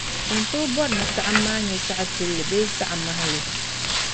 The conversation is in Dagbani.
O ni tooi bɔri ni saɣim maa nye saɣitulli bee saɣimahili